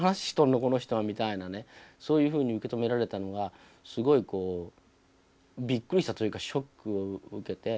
この人は」みたいなねそういうふうに受け止められたのがすごいビックリしたというかショックを受けて。